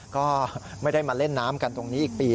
ก็ไม่ได้มาเล่นน้ำกันตรงนี้อีกปี